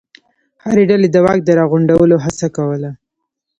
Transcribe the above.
هرې ډلې د واک د راغونډولو هڅه کوله.